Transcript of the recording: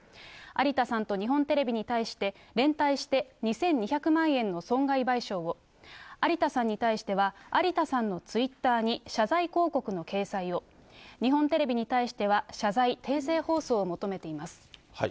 有田さんと日本テレビに対して、連帯して２２００万円の損害賠償を、有田さんに対しては、有田さんのツイッターに謝罪広告の掲載を、日本テレビに対しては、謝罪訂正放送を求めています。